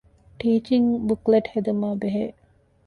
ޓީޗިންގ ބުކްލެޓް ހެދުމާބެހޭ